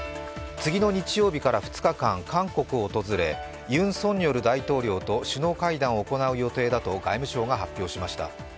次の日曜日から２日間、韓国を訪れユン・ソンニョル大統領と首脳会談を行う予定だと外務省が発表しました。